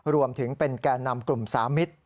รวมถึงเป็นแก่นำกลุ่มสามิตร